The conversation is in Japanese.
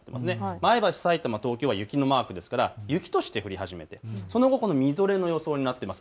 前橋、さいたま、東京は雪のマークですから雪として降り始めて、その後みぞれの予想になっています。